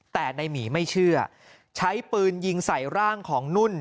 แต่ในหมีไม่เชื่อใช้ปืนยิงใส่ร่างของนุ่น